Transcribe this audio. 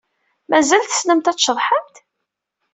Mazal tessnemt ad tceḍḥemt?